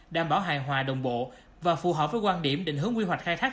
đảm bảo hài hòa đồng bộ và phù hợp với quan điểm định hướng quy hoạch khai thác